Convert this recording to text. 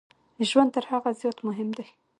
ژوند تر هغه زیات مهم دی.